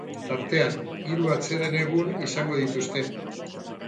Tartean, hiru atseden-egun izango dituzte.